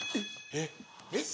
えっ？